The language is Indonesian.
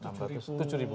tujuh ribu meter ya